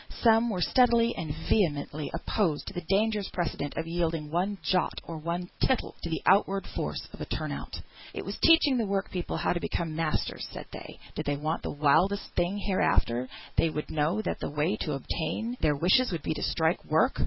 Some were steadily and vehemently opposed to the dangerous precedent of yielding one jot or one tittle to the outward force of a turn out. It was teaching the work people how to become masters, said they. Did they want the wildest thing heareafter, they would know that the way to obtain their wishes would be to strike work.